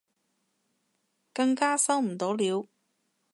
更加收唔到科